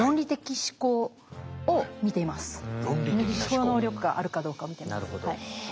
思考能力があるかどうかを見ています。